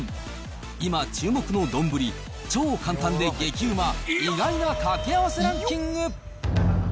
今、注目の丼、超簡単で激ウマ、意外な掛け合わせランキング。